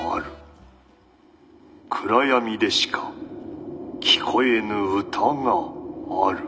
暗闇でしか聴こえぬ歌がある」。